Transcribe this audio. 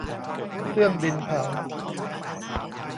เครื่องดินเผา